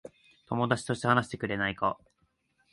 友達として話してくれないか。